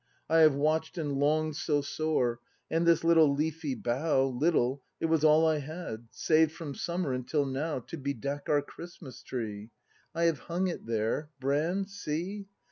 I have watch'd and long'd so sore; And this little leafy bough — Little, it was all I had. Saved from summer until now To bedeck our Christmas tree, — I have hung it there, Brand, see!